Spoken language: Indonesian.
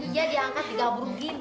iya diangkat tiga buru begini